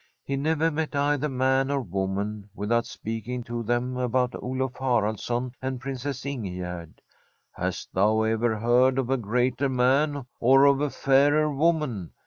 He never met either man or woman without speaking to them about Olaf Haraldsson and Princess Ingegerd. ' Hast thou ever heard of a greater man or of a fairer woman